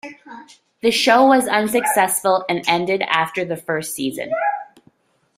The show was unsuccessful and ended after the first season.